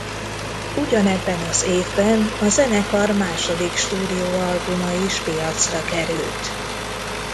Ugyanebben az évben a zenekar második stúdióalbuma is piacra került.